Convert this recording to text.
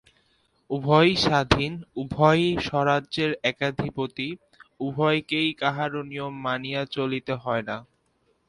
উভয়ে স্বাধীন, উভয়েই স্বরাজ্যের একাধিপতি, উভয়কেই কাহারো নিয়ম মানিয়া চলিতে হয় না।